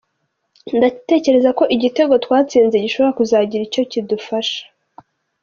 Ndatekereza ko igitego twatsinze gishobora kuzagira icyo kidufasha.